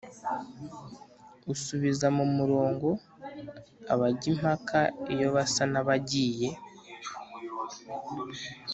usubiza mu murongo abajya impaka iyo basa n’abagiye